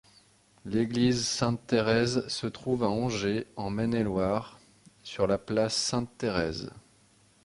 L'église Sainte-Thérèse se trouve à Angers, en Maine-et-Loire, sur la place Sainte-Thérèse.